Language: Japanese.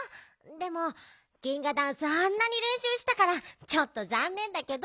でもギンガダンスあんなにれんしゅうしたからちょっとざんねんだけど。